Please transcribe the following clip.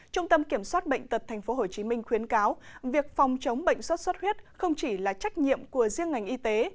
trung tâm kiểm soát bệnh tật tp hcm khuyến cáo việc phòng chống bệnh sốt xuất huyết không chỉ là trách nhiệm của riêng ngành y tế